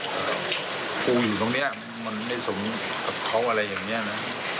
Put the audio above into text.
กูอยู่ตรงนี้มันไม่สมกับเขาอะไรอย่างนี้นะ